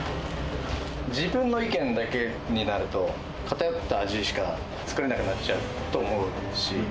自分の意見だけになると、偏った味しか作れなくなっちゃうと思うし。